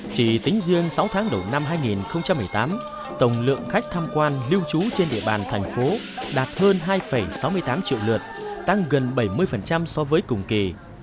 chỉ tính riêng sáu tháng đầu năm hai nghìn một mươi tám tổng lượng khách tham quan lưu trú trên địa bàn thành phố đạt hơn hai sáu mươi tám triệu lượt tăng gần bảy mươi so với cùng kỳ